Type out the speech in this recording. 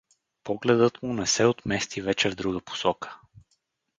Погледът му не се отмести вече в друга посока.